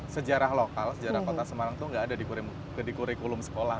sejarah lokal sejarah kota semarang itu nggak ada di kurikulum sekolah